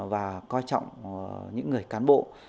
và coi trọng những người cán bộ